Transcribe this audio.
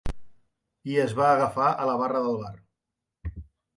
I es va agafar a la barra del bar.